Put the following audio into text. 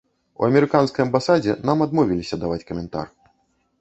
У амерыканскай амбасадзе нам адмовіліся даваць каментар.